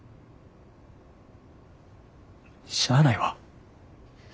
しゃあないわ。